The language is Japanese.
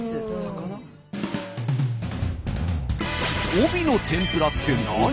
おびの天ぷらって何？